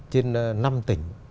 trên năm tỉnh